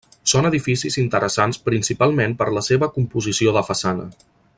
Són edificis interessants principalment per la seva composició de façana.